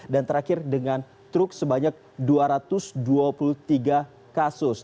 dan terakhir dengan truk sebanyak dua ratus dua puluh tiga kasus